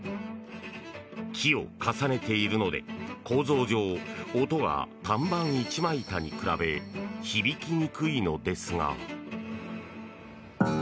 木を重ねているので構造上、音が単板一枚板に比べ響きにくいのですが。